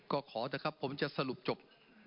ก็ขอเถอะครับผมจะสรุปจบ